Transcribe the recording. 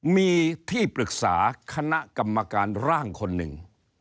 มีที่ปรึกษาคณะกรรมการร่างคนหนึ่ง